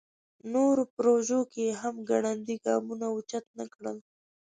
نورو پروژو کې یې هم ګړندي ګامونه اوچت نکړل.